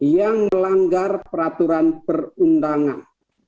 yang melanggar peraturan perundangan